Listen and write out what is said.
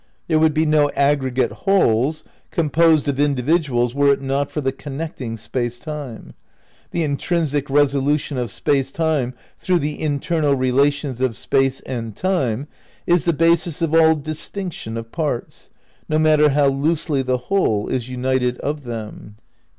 ... "There would be no aggregate wholes composed of individuals were it not for the connecting Space Time." ... "The intrinsic resolution of Space Time through the internal relation of Space and Time is the basis of all distinction of parts, no matter how loosely the whole is united of them."